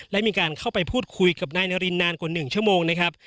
และมีการเข้าไปพูดคุยกับนายนารินนานกว่า๑ชั่วโมงนะครับ